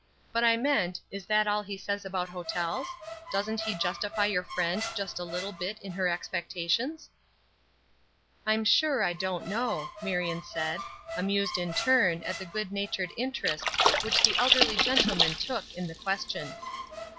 But I meant, is that all he says about hotels? Doesn't he justify your friend just a little bit in her expectations?" "I'm sure I don't know," Marion said, amused in turn at the good natured interest which the elderly gentleman took in the question.